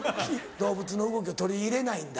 動物の動きを取り入れないんだ。